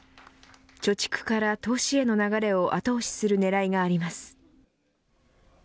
貯蓄から投資への流れを後押しする狙いがあります。